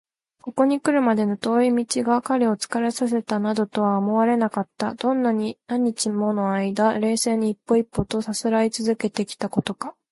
ここにくるまでの遠い道が彼を疲れさせたなどとは思われなかった。どんなに何日ものあいだ、冷静に一歩一歩とさすらいつづけてきたことか！